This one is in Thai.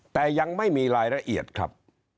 แต่ยังไม่มีรายละเอียดครับ